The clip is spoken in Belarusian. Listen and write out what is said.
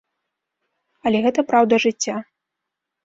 Але гэта праўда жыцця.